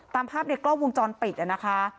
ตามภาพในกล้องวงจรปิดนะคะ